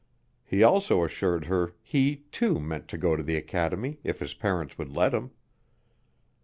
He also assured her he, too, meant to go to the academy if his parents would let him.